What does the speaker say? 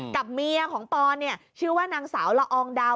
กับเมียของปอนเนี่ยชื่อว่านางสาวละอองดาว